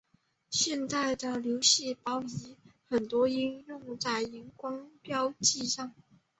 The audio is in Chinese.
现代的流式细胞仪很多应用在荧光标记上。